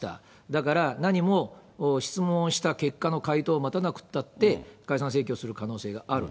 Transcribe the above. だから、何も質問した結果の回答を待たなくったって、解散請求をする可能性がある。